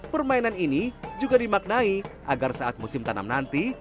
permainan ini juga dimaknai agar saat musim tanam nanti